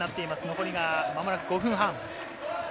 残りが間もなく５分半。